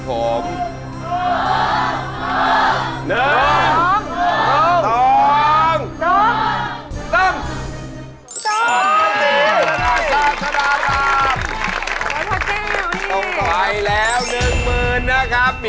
ต่อมาครับ